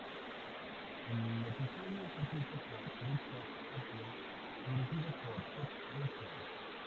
El episodio fue escrito por Richard Appel y dirigido por Pete Michels.